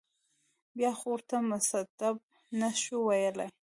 بیا خو ورته مستبد نه شو ویلای.